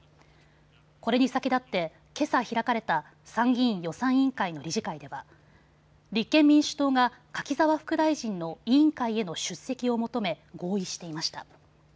これに先立って、けさ開かれた参議院予算委員会の理事会では立憲民主党が柿沢副大臣の委員会への出席を求め合意していました。